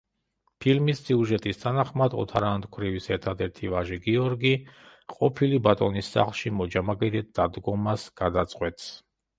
ფილმის სიუჟეტის თანახმად, ოთარაანთ ქვრივის ერთადერთი ვაჟი გიორგი ყოფილი ბატონის სახლში მოჯამაგირედ დადგომას გადაწყვეტს.